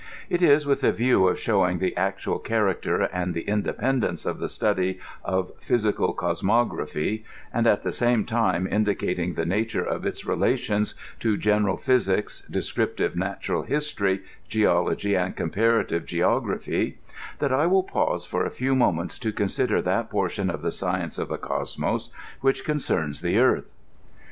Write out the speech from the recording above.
It is with a view of showing the actual character and the independence of the study of physical cosmography, and at the same time indicating the nature of its relations to general physics, descriptive natural history y geology, and coTnparative geography/, that I will pause for a few moments to consider that portion of the science of the Cosmos which concerns the earth.